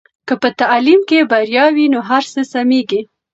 که په تعلیم کې بریا وي نو هر څه سمېږي.